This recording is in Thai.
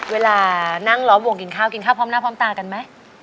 เวลานั่งล้อมวงกินข้าวกินข้าวพร้อมหน้าพร้อมตากันไหม